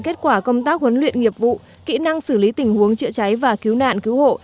kết quả công tác huấn luyện nghiệp vụ kỹ năng xử lý tình huống chữa cháy và cứu nạn cứu hộ